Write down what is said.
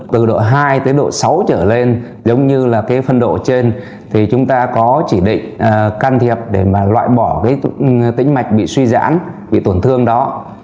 từ độ hai tới độ sáu trở lên giống như là cái phân độ trên thì chúng ta có chỉ định can thiệp để mà loại bỏ cái tính mạch bị suy giãn bị tổn thương đó